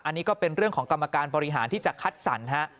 อันนี้ก็เป็นเรื่องของกรรมการบริหารที่จะคัดสรรฮะ